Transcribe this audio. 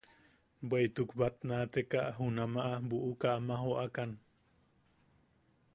Bweʼituk batnaataka junama buʼuka ama jookan.